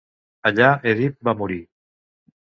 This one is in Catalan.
Allà Èdip va morir.